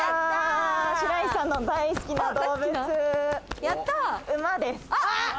白石さんの大好きな動物、馬です。